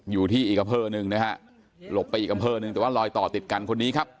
อยู่ที่อีกอำเภอหนึ่งนะฮะหลบไปอีกอำเภอหนึ่งแต่ว่าลอยต่อติดกันคนนี้ครับ